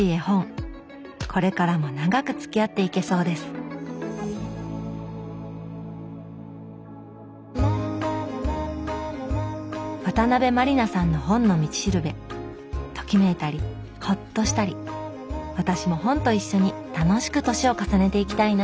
これからも長くつきあっていけそうです渡辺満里奈さんの「本の道しるべ」ときめいたりほっとしたり私も本と一緒に楽しく年を重ねていきたいな